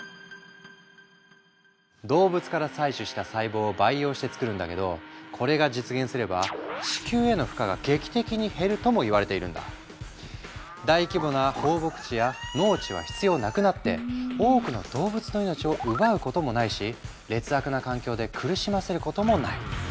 動物から採取した細胞を培養して作るんだけどこれが実現すれば大規模な放牧地や農地は必要なくなって多くの動物の命を奪うこともないし劣悪な環境で苦しませることもない。